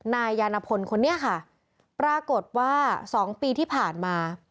นายยานพลคนนี้ค่ะปรากฏว่า๒ปีที่ผ่านมา